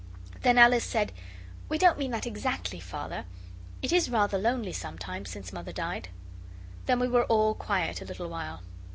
Then Alice said, 'We don't mean that exactly, Father. It is rather lonely sometimes, since Mother died.' Then we were all quiet a little while.